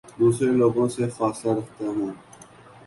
دوسرے لوگوں سے فاصلہ رکھتا ہوں